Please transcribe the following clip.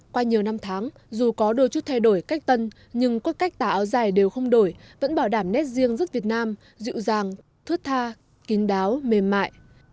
qua nhiều năm tháng dù có đôi chút thay đổi cách tân nhưng các cách tả áo dài đều không đổi vẫn bảo đảm nét riêng rất việt nam dịu dàng thước tha kính đáo mềm mại